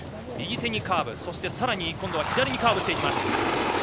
右手にカーブ、さらに左にもカーブしていきます。